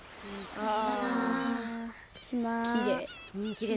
きれい。